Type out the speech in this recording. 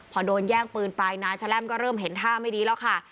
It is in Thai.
พอโดนแย่งปืนไปนายแชล่มก็เริ่มเห็นท่าไม่ดีแล้วค่ะ